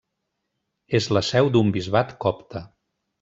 És la seu d'un bisbat copte.